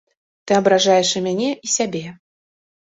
Ты абражаеш і мяне і сябе.